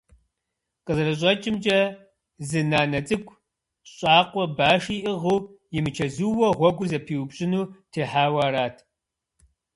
КъызэрыщӀэкӀымкӀэ, зы нанэ цӀыкӀу, щӀакъуэ баши иӀыгъыу, имычэзууэ гъуэгур зэпиупщӀыну техьауэ арат…